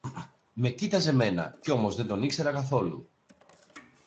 Με κοίταζε μένα, και όμως δεν τον ήξερα καθόλου.